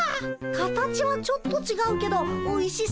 形はちょっとちがうけどおいしそうなプリン！